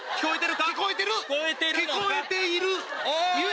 聞こえてる！